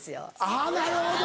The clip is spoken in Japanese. あぁなるほど。